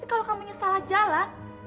tapi kalau kamu nya salah jalan